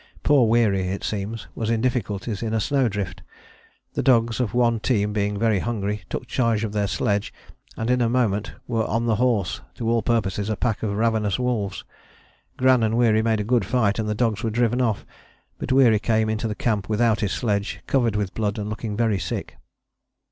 Poor Weary, it seems, was in difficulties in a snow drift: the dogs of one team being very hungry took charge of their sledge and in a moment were on the horse, to all purposes a pack of ravenous wolves. Gran and Weary made a good fight and the dogs were driven off, but Weary came into camp without his sledge, covered with blood and looking very sick.